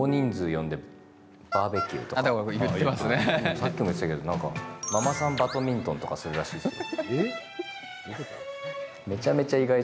さっきも言ってたけどママさんバドミントンとかするらしいですよ。